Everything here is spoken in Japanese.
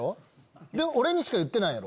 お前は俺にしか言ってないやろ。